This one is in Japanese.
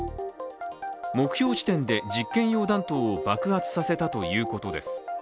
目標地点で、実験用弾頭を爆発させたということです。